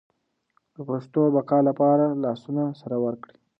د پښتو د بقا لپاره لاسونه سره ورکړئ.